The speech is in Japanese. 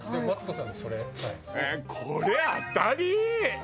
えっこれ当たり？